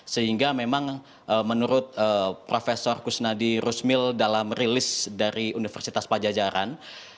sehingga memang menurut prof kusnadi rusmil dalam rilis dari universitas pajajaran